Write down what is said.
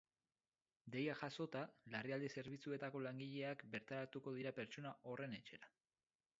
Deia jasota, larrialdi zerbitzuetako langileak bertaratuko dira pertsona horren etxera.